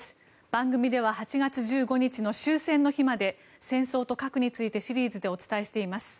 番組では８月１５日の終戦の日まで戦争と核についてシリーズでお伝えしています。